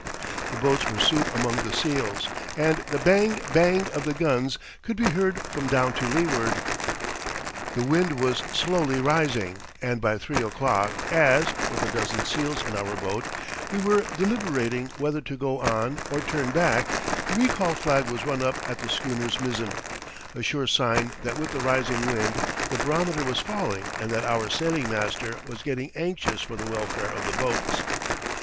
The boats were soon among the seals, and the bang! bang! of the guns could be heard from down to leeward. The wind was slowly rising, and by three o'clock as, with a dozen seals in our boat, we were deliberating whether to go on or turn back, the recall flag was run up at the schooner's mizzen—a sure sign that with the rising wind the barometer was falling and that our sailing master was getting anxious for the welfare of the boats.